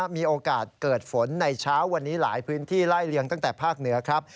มีโอกาสเกิดฝนในเช้าวันนี้หลายพื้นที่ไล่เลียงตั้งแต่ภาคเหนือครับ